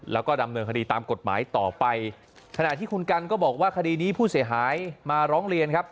แล้วก็ดำเนินคดีตามกฎหมายต่อไปขณะที่คุณกันก็บอกว่าคดีนี้ผู้เสียหายมาร้องเรียนครับ